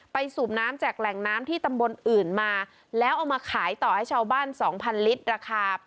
สูบน้ำจากแหล่งน้ำที่ตำบลอื่นมาแล้วเอามาขายต่อให้ชาวบ้านสองพันลิตรราคา